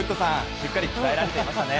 しっかり鍛えられていましたね。